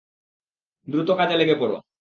দ্রুত কাজে লেগে পড়ো।